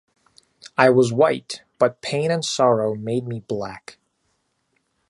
I was white but pain and sorrow made me black.